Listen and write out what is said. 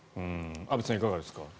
安部さん、いかがですか。